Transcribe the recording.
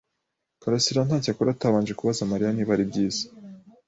karasira ntacyo akora atabanje kubaza Mariya niba ari byiza.